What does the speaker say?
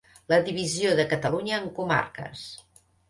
La divisió de Catalunya en comarques.